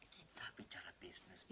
kita bicara bisnis bu